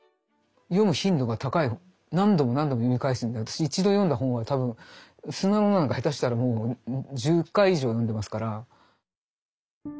何度も何度も読み返すんで私一度読んだ本は多分「砂の女」なんか下手したらもう１０回以上読んでますから。